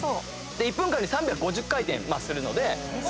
１分間に３５０回転するので。